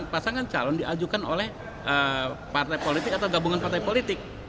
pasangan calon diajukan oleh partai politik atau gabungan partai politik